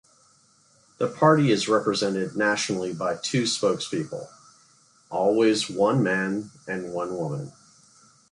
The party is represented nationally by two spokespeople, always one man and one woman.